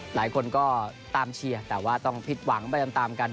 หลายคนก็ตามเชียร์แต่ว่าต้องผิดหวังไปตามกัน